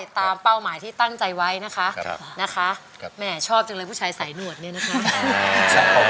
เป้าหมายที่ตั้งใจไว้นะคะแม่ชอบจังเลยผู้ชายสายหนวดเนี่ยนะคะ